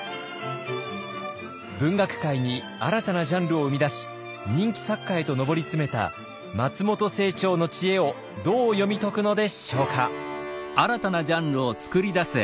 文学界に新たなジャンルを生み出し人気作家へと上り詰めた松本清張の知恵をどう読み解くのでしょうか。